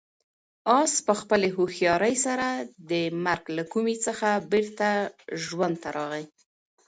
آس په خپلې هوښیارۍ سره د مرګ له کومې څخه بېرته ژوند ته راغی.